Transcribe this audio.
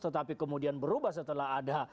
tetapi kemudian berubah setelah ada